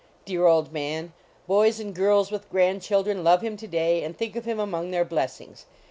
Dear old man; boys and girls with grand children love him to day, and think of him among their blessings.